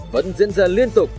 vẫn diễn ra liên tục